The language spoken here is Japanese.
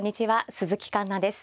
鈴木環那です。